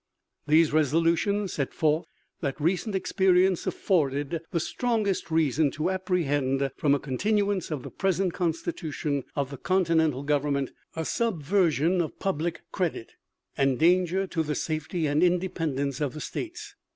These resolutions set forth that recent experience afforded "the strongest reason to apprehend from a continuance of the present constitution of the continental government a subversion of public credit" and danger to the safety and independence of the states.